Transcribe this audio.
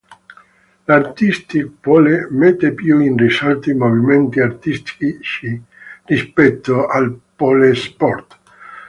L’Artistic Pole mette più in risalto i movimenti artistici rispetto al pole sport.